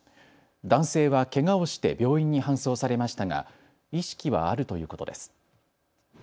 男性はけがをして病院に搬送されましたが意識はあるということです。